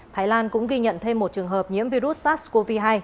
thái lan cũng ghi nhận thêm một trường hợp nhiễm virus sars cov hai